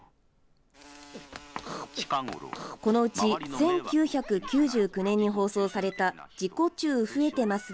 このうち１９９９年に放送されたジコ虫、増えてます！